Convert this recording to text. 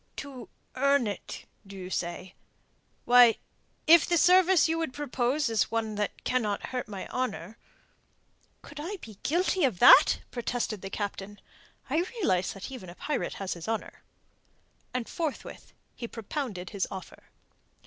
"To earn it, do you say? Why, if the service you would propose is one that cannot hurt my honour...." "Could I be guilty of that?" protested the Captain. "I realize that even a pirate has his honour." And forthwith he propounded his offer.